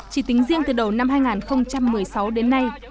chỉ tính riêng từ đầu năm hai nghìn một mươi sáu đến nay